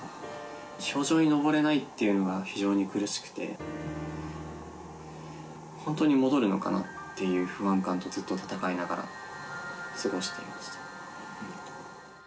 氷上に上れないっていうのは、非常に苦しくて、本当に戻るのかなっていう不安感とずっと闘いながら、過ごしていました。